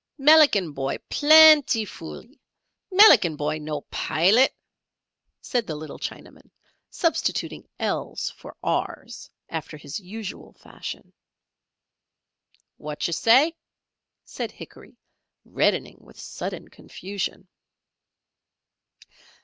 "Melican boy pleenty foolee! Melican boy no Pilat!" said the little Chinaman, substituting "l's" for "r's" after his usual fashion. "Wotcher say?" said Hickory, reddening with sudden confusion.